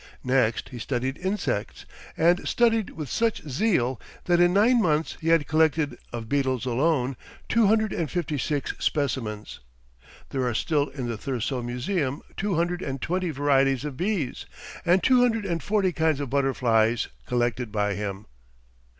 Next he studied insects, and studied with such zeal that in nine months he had collected, of beetles alone, two hundred and fifty six specimens. There are still in the Thurso museum two hundred and twenty varieties of bees, and two hundred and forty kinds of butterflies, collected by him.